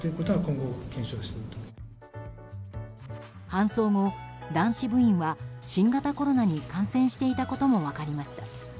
搬送後、男子部員は新型コロナに感染していたことも分かりました。